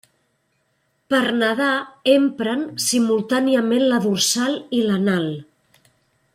Per nedar empren simultàniament la dorsal i l'anal.